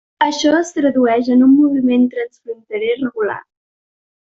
Això es tradueix en un moviment transfronterer regular.